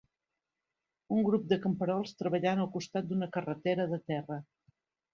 Un grup de camperols treballant al costat d'una carretera de terra.